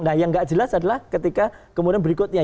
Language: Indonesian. nah yang gak jelas adalah ketika kemudian berikutnya